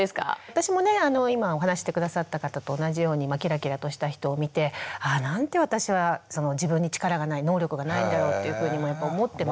私もね今お話しして下さった方と同じようにキラキラとした人を見てああなんて私は自分に力がない能力がないんだろうっていうふうにもやっぱり思ってました。